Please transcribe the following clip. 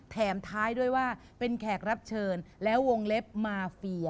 แถมท้ายด้วยว่าเป็นแขกรับเชิญแล้ววงเล็บมาเฟีย